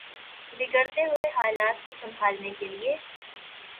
بگڑتے ہوئے حالات کو سنبھالنے کے لیے